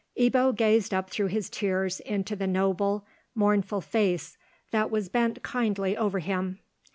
Ebbo gazed up through his tears into the noble, mournful face that was bent kindly over him.